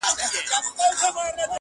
زه يې نور نه کوم، په تياره انتظار،